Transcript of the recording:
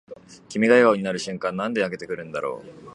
君が笑顔になる瞬間なんで泣けてくるんだろう